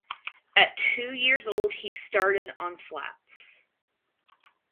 At two years old he started on Flats.